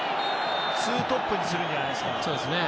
２トップにするんじゃないんですか。